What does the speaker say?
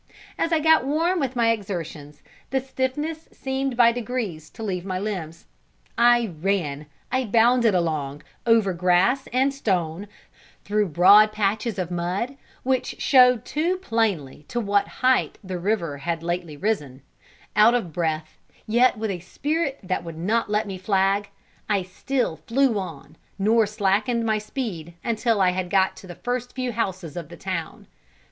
As I got warm with my exertions, the stiffness seemed by degrees to leave my limbs; I ran, I bounded along, over grass and stone through broad patches of mud which showed too plainly to what height the river had lately risen, out of breath, yet with a spirit that would not let me flag, I still flew on, nor slackened my speed until I had got to the first few houses of the town.